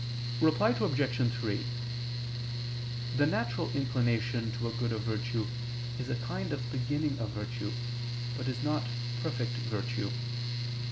Reply Obj. 3: The natural inclination to a good of virtue is a kind of beginning of virtue, but is not perfect virtue.